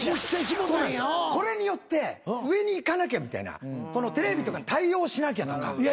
これによって上にいかなきゃみたいなテレビとかに対応しなきゃとか。